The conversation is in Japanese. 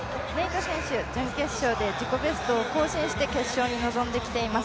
準決勝で自己ベストを更新して決勝に臨んできています。